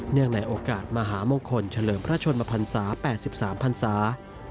ในโอกาสมหามงคลเฉลิมพระชนมพันศา๘๓พันศา